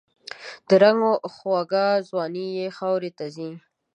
د رنګ خوږه ځواني یې خاوروته ځي